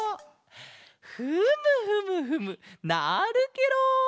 フムフムフムなるケロ！